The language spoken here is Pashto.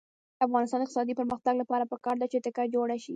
د افغانستان د اقتصادي پرمختګ لپاره پکار ده چې تکه جوړه شي.